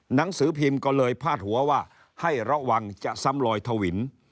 หนังสือพิมพ์ก็เลยพาดหัวว่าให้ระวังจะซ้ำลอยทวิน